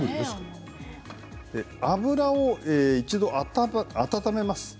油を一度、温めます。